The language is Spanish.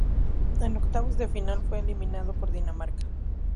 En octavos de final fue eliminado por Dinamarca.